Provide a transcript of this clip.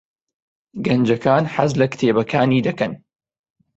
گەنجەکان حەز لە کتێبەکانی دەکەن.